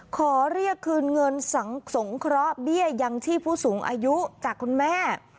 ขอเรียกคืนเงินสงเคราะห์เบี้ยยังชีพผู้สูงอายุจากคุณแม่